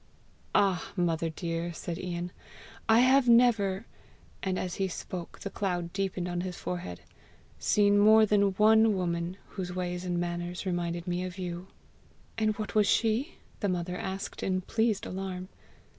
"Ah, mother dear," said Ian, "I have never" and as he spoke the cloud deepened on his forehead "seen more than one woman whose ways and manners reminded me of you!" "And what was she?" the mother asked, in pleased alarm.